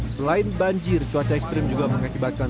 selain banjir cuaca ekstrim juga mengakibatkan